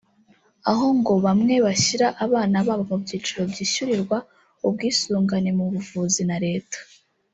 aho ngo bamwe bashyira abana babo mu byiciro byishyurirwa ubwisungane mu buvuzi na Leta